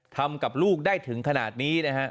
ทำกับลูกได้ถึงขนาดนี้นะฮะ